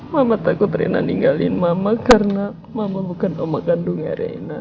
mama takut rena ninggalin mama karena mama bukan oma kandungnya rena